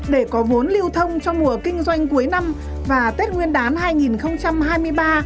để có vốn lưu thông trong mùa kinh doanh cuối năm và tết nguyên đán hai nghìn hai mươi ba